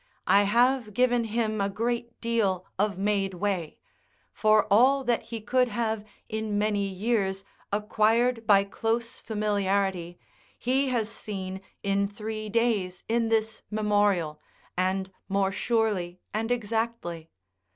I have given him a great deal of made way; for all that he could have, in many years, acquired by close familiarity, he has seen in three days in this memorial, and more surely and exactly.